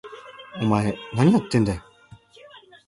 お前、なにやってんだよ！？